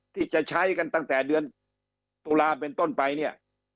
ที่จะใช้กันตั้งแต่เดือนตุลาเป็นต้นไปเนี่ย